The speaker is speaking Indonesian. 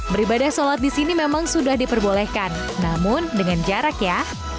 beribadah sholat di sini memang sudah diperbolehkan namun dengan jarak ya